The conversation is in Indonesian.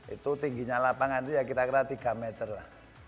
itu tingginya lapangan itu ya kira kira tiga meter lah